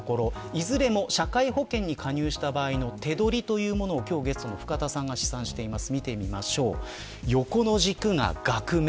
いずれも社会保険に加入した場合の手取りを、ゲストの深田さんが試算しています。